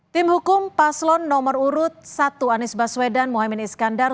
tim hukum paslon nomor urut satu anies baswedan mohaimin iskandar